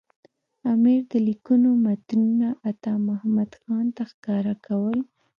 امیر د لیکونو متنونه عطامحمد خان ته ښکاره کول.